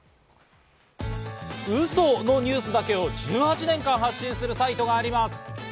ウソのニュースだけを１８年間、発信するサイトがあります。